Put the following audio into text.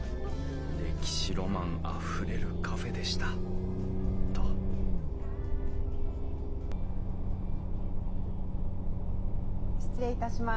歴史ロマンあふれるカフェでしたと失礼いたします。